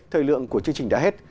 thời lượng của chương trình đã hết